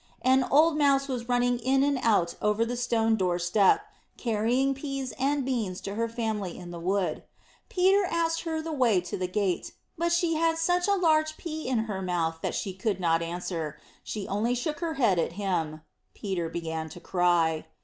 An old Mouse was running in and out over the stone door step, carrying peas and beans to her family in the wood. Peter asked her the way to the gate, but she had such a large pea in her mouth that she could not answer. She only shook her head at him. Peter began to cry.